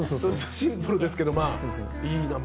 シンプルですけどまあいい名前。